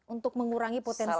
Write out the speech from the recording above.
untuk mengurangi potensi itu